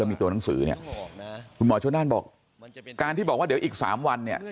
มีตัวหนังสือเนี่ยคุณหมอชนนั่นบอกการที่บอกว่าเดี๋ยวอีก๓วันเนี่ย